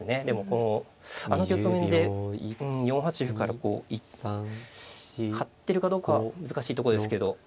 でもあの局面で４八歩から勝ってるかどうかは難しいとこですけど。